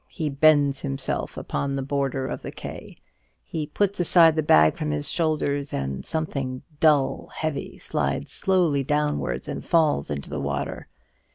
He bends himself upon the border of the quay. He puts aside the bag from his shoulders, and something of dull, heavy, slides slowly downwards and falls into the water.